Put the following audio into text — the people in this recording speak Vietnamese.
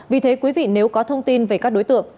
vì thế quý vị nếu có thông tin về các đối tượng